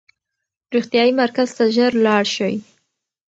روغتیايي مرکز ته ژر لاړ شئ.